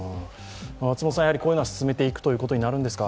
こういうのは進めていくということになるんですか？